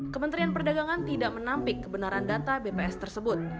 kementerian perdagangan tidak menampik kebenaran data bps tersebut